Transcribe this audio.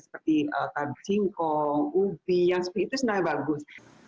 seperti kardus cingkong ubi yang seperti itu sebenarnya bagus